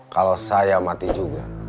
kalau saya mati juga